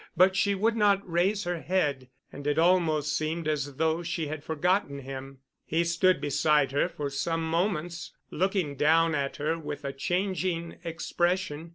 But she would not raise her head, and it almost seemed as though she had forgotten him. He stood beside her for some moments, looking down at her with a changing expression.